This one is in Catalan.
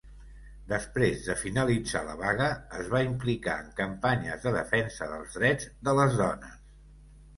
Després de finalitzar la vaga, es va implicar en campanyes de defensa dels drets de les dones.